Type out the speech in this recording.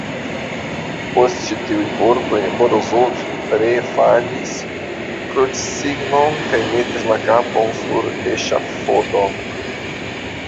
Post ĉi tiuj vortoj Morozov ree faris krucsignon kaj metis la kapon sur eŝafodon.